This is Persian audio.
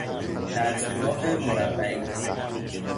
دستگاه مربعی